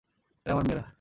এরা আমার মেয়েরা।